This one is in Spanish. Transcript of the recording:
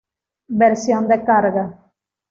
Versión de carga.